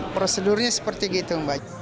prosedurnya seperti gitu